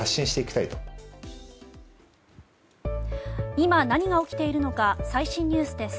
今、何が起きているのか最新ニュースです。